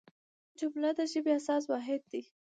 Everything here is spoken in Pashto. جمله د ژبي اساسي واحد دئ.